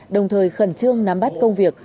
đồng thời khẩn trương nắm bắt công việc